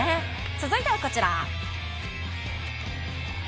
続いてはこちら。